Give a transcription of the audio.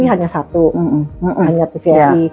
hanya satu hanya tvri